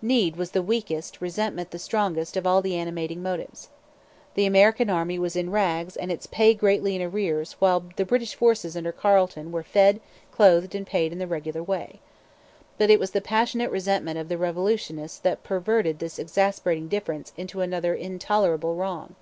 Need was the weakest, resentment the strongest of all the animating motives. The American army was in rags and its pay greatly in arrears while the British forces under Carleton were fed, clothed, and paid in the regular way. But it was the passionate resentment of the revolutionists that perverted this exasperating difference into another 'intolerable wrong.'